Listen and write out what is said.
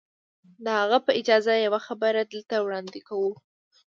د هغه په اجازه يې يوه برخه دلته وړاندې کوو.